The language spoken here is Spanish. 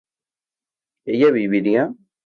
¿ella viviría?